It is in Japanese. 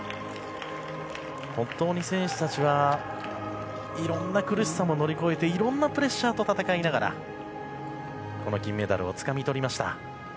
本当に選手たちはいろんな苦しさも乗り越えていろんなプレッシャーと戦いながらこの金メダルをつかみとりました。